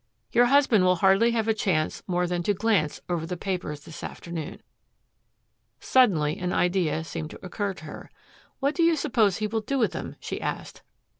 Your husband will hardly have a chance more than to glance over the papers this afternoon." Suddenly an idea seemed to occur to her. "What do you suppose he will do with them?" she asked.